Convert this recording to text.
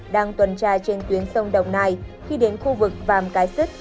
đang tuần tra trên tuyến sông đồng nai khi đến khu vực vàm cái sứt